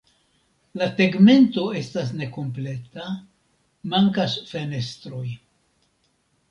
La tegmento estas nekompleta, mankas fenestroj.